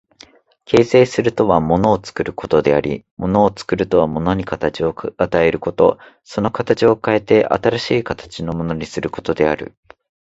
形成するとは物を作ることであり、物を作るとは物に形を与えること、その形を変えて新しい形のものにすることである。